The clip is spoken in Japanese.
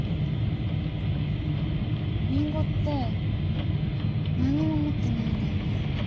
りんごって何にも持ってないんだよね